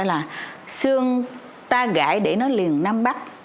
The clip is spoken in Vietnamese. là xương tao gãy để nó liền nam bắc